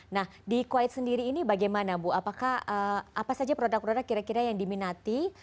nah di kuwait sendiri ini bagaimana bu apakah apa saja produk produk kira kira yang diminati